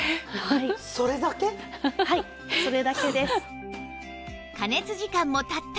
はいそれだけです。